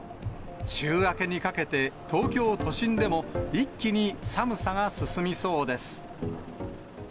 週明けにかけて、東京都心でも一気に寒さが進みそうです。